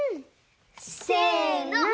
せの！